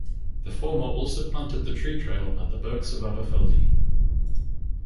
The former also planted the tree trail at the Birks of Aberfeldy.